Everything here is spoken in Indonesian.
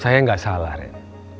saya gak salah ren